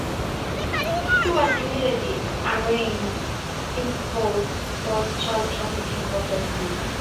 He was immediately arraigned in court force child trafficking offences.